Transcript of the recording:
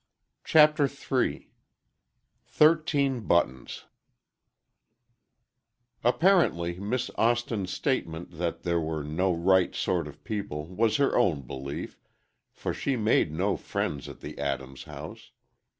CHAPTER III THIRTEEN BUTTONS Apparently Miss Austin's statement that there were no right sort of people was her own belief, for she made no friends at the Adams house.